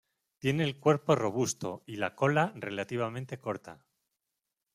Tiene el cuerpo robusto y la cola relativamente corta.